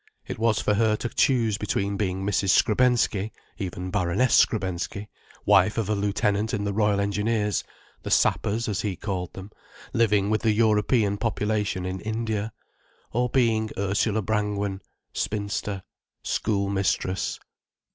It was for her to choose between being Mrs. Skrebensky, even Baroness Skrebensky, wife of a lieutenant in the Royal Engineers, the Sappers, as he called them, living with the European population in India—or being Ursula Brangwen, spinster, school mistress.